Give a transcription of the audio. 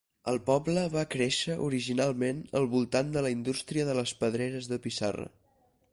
El poble va créixer originalment al voltant de la indústria de les pedreres de pissarra.